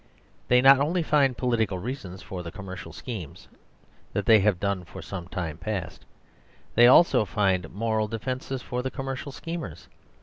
They not only find political reasons for the commercial schemes that they have done for some time past they also find moral defences for the commercial schemers.